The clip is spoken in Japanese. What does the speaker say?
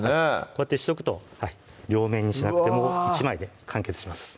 こうやってしとくと両面にしなくても１枚で完結します